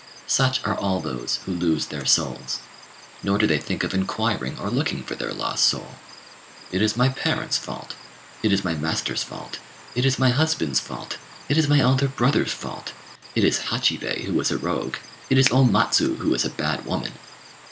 Such are all those who lose their souls. Nor do they think of inquiring or looking for their lost soul. "It is my parents' fault; it is my master's fault; it is my husband's fault; it is my elder brother's fault; it is Hachibei who is a rogue; it is Matsu who is a bad woman."